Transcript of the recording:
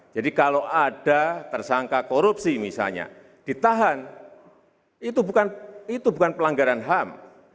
jadi kalau ada tersangka korupsi misalnya ditahan itu bukan pelanggaran ham